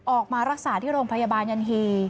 ออกมารักษาที่โรงพยาบาลยันฮี